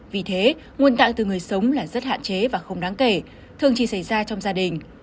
vì thế nguồn tạng từ người sống là rất hạn chế và không đáng kể thường chỉ xảy ra trong gia đình